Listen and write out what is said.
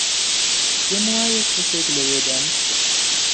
پێم وایە کەسێک لەوێ دانیشتووە.